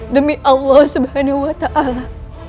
demi allah subhanahu wa ta'ala